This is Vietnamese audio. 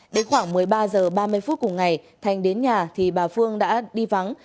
đến khoảng một mươi ba h ba mươi phút cùng ngày thành đến nhà thì bà phương đã đi vắng